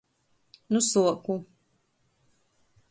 Nu suoku.